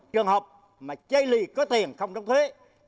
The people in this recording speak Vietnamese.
trường hợp mà chay lì có tiền không trong thuế